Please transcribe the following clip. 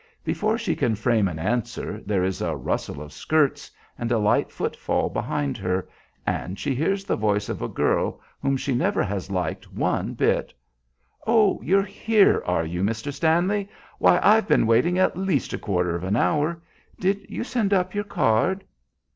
Before she can frame an answer there is a rustle of skirts and a light foot fall behind her, and she hears the voice of a girl whom she never has liked one bit. "Oh! You're here, are you, Mr. Stanley! Why, I've been waiting at least a quarter of an hour. Did you send up your card?"